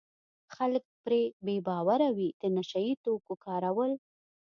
خلک پرې بې باوره وي د نشه یي توکو کارول.